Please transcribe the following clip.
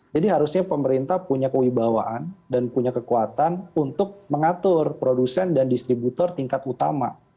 jadi harusnya pemerintah punya kewibawaan dan punya kekuatan untuk mengatur produsen dan distributor tingkat utama